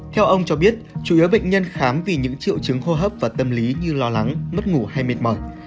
theo ông cho biết chủ yếu bệnh nhân khám vì những triệu chứng hô hấp và tâm lý như lo lắng mất ngủ hay mệt mỏi